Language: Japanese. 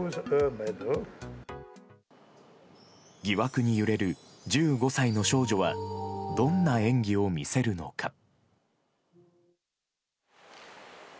疑惑に揺れる１５歳の少女はどんな演技を見せるのか。